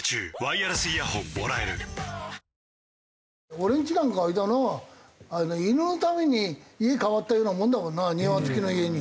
俺ん家なんかあれだな犬のために家変わったようなもんだもんな庭付きの家に。